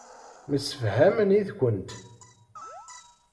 Msefhamen yid-kent.